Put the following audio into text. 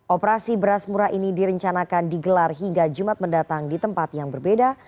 operasi beras murah ini direncanakan digelar hingga jumat mendatang di tempat yang berbeda